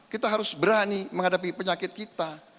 kita harus berani menghadapi penyakit kita